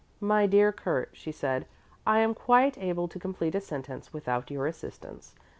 "My dear Kurt," she said, "I am quite able to complete a sentence without your assistance.